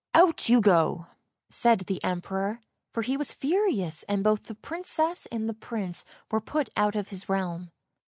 " Out you go! " said the Emperor, for he was furious, and both the Princess and the Prince were put out of his realm.